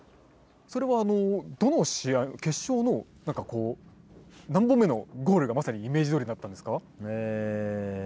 それはどの試合決勝の何本目のゴールがまさにイメージどおりだったんですか？